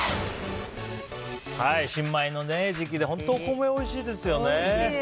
新米の時期で本当にお米おいしいですよね。